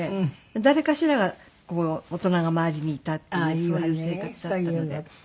誰かしらが大人が周りにいたっていうそういう生活だったので。